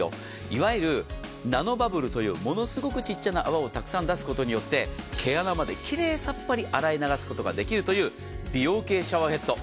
いわゆるナノバブルというものすごくちっちゃな泡をたくさん出すことによって毛穴まで奇麗さっぱり洗い流すことができるという美容系シャワーヘッド。